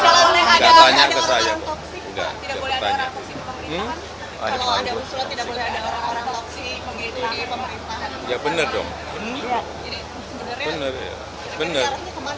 jadi sebenarnya sekarang ini kemana pak